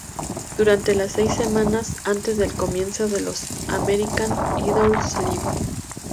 Durante las seis semanas antes del comienzo de los "American Idols Live!